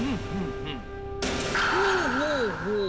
ほうほうほう。